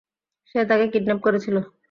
সে তাকে কিডন্যাপ করেছিল।